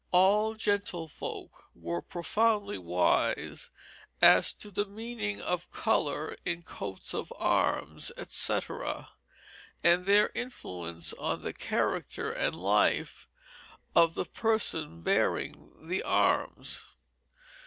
All gentlefolk were profoundly wise as to the meaning of colors in coats of arms, etc., and their influence on the character and life of the persons bearing the arms.